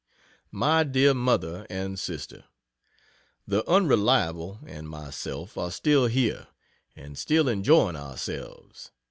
MY DEAR MOTHER AND SISTER, The Unreliable and myself are still here, and still enjoying ourselves.